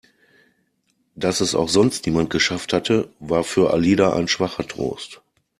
Dass es auch sonst niemand geschafft hatte, war für Alida ein schwacher Trost.